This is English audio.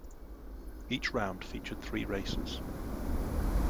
Each round featured three races.